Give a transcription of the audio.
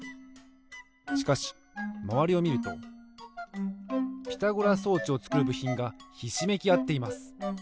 しかしまわりをみるとピタゴラ装置をつくるぶひんがひしめきあっています。